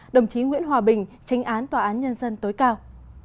đồng chí nguyễn hòa bình tránh án tòa án nhân dân tối cao